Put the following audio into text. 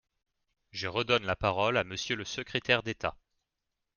Je redonne la parole à Monsieur le secrétaire d’État.